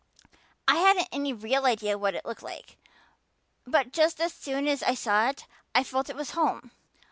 I hadn't any real idea what it looked like. But just as soon as I saw it I felt it was home.